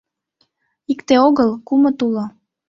Икте огыл, кумыт уло.